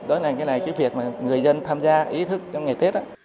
đó là cái việc mà người dân tham gia ý thức trong ngày tết